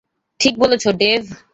ঠিক বলেছ, ডেভ।